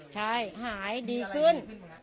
ใช่หายดีขึ้น